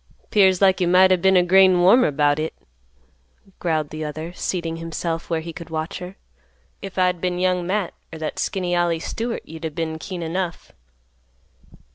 "'Pears like you might o' been a grain warmer about hit," growled the other, seating himself where he could watch her. "If I'd been Young Matt er that skinny Ollie Stewart, you'd a' been keen enough."